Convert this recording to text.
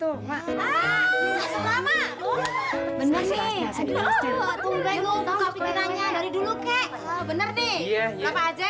tumben lu buka pikirannya dari dulu kek